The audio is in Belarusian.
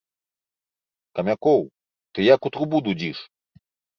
Камякоў, ты як у трубу дудзіш?